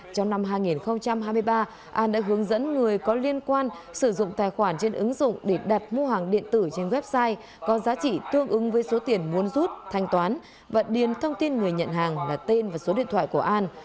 trong năm hai nghìn hai mươi ba an đã hướng dẫn người có liên quan sử dụng tài khoản trên ứng dụng để đặt mua hàng điện tử trên website có giá trị tương ứng với số tiền muốn rút thanh toán và điền thông tin người nhận hàng là tên và số điện thoại của an